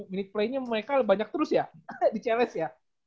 minute play nya mereka banyak terus ya di challes ya